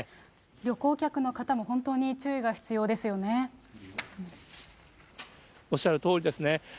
旅行客の方も、おっしゃるとおりですね。